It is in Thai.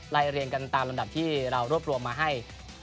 เรียงกันตามลำดับที่เรารวบรวมมาให้